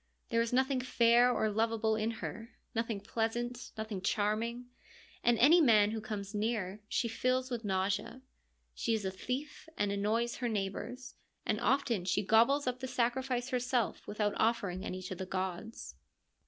There is nothing fair or lovable in her, nothing pleasant, nothing charming, and any man who comes near she fills with nausea. She is a thief 36 FEMINISM IN GREEK LITERATURE and annoys her neighbours, and often she gobbles up the sacrifice herself without offering any to the gods.